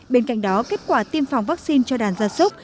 bên cạnh đó kết quả tiêm phòng vaccine cho đàn gia súc